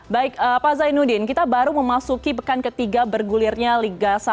baik pak zainuddin kita baru memasuki pekan ketiga bergulirnya liga satu